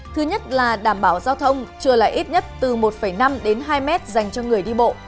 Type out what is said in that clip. thứ nhất là đảm bảo giao thông trưa lại ít nhất từ một năm đến hai mét dành cho người đi bộ